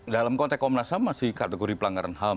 dalam konteks komnas ham masih kategori pelanggaran ham